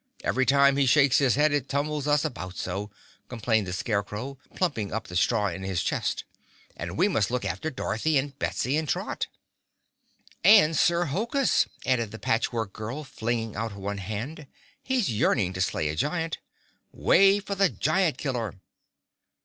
Every time he shakes his head it tumbles us about so," complained the Scarecrow, plumping up the straw in his chest. "And we must look after Dorothy and Betsy and Trot." "And Sir Hokus," added the Patch Work Girl, flinging out one hand. "He's yearning to slay a giant. 'Way for the Giant Killer!"